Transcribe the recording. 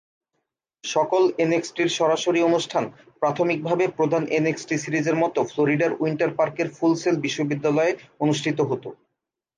সকল এনএক্সটির সরাসরি অনুষ্ঠান প্রাথমিকভাবে প্রধান এনএক্সটি সিরিজের মতো ফ্লোরিডার উইন্টার পার্কের ফুল সেল বিশ্ববিদ্যালয়ে অনুষ্ঠিত হতো।